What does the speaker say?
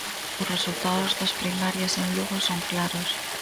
Os resultados das primarias en Lugo son claros.